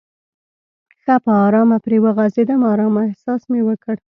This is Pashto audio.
ښه په آرامه پرې وغځېدم، آرامه احساس مې وکړ.